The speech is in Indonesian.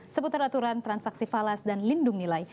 seputar aturan transaksi falas dan lindung nilai